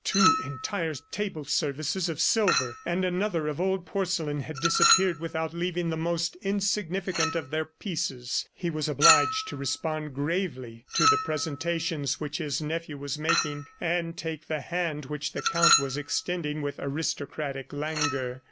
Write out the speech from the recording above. Two entire table services of silver, and another of old porcelain had disappeared without leaving the most insignificant of their pieces. He was obliged to respond gravely to the presentations which his nephew was making, and take the hand which the Count was extending with aristocratic languor.